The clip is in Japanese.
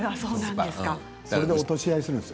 それで落とし合いをするんですよ